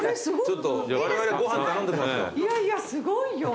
いやいやすごいよ。